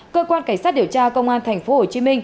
cơ quan cảnh sát điều tra công an tp hcm